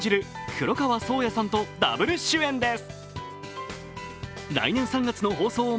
黒川想矢さんとダブル主演です。